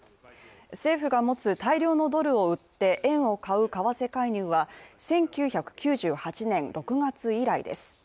政府が持つ大量のドルを売って円を買う為替介入は１９９８年６月以来です。